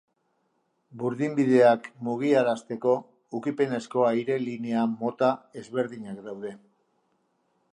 Burdinbideak mugiarazteko ukipenezko aire-linea mota ezberdinak daude.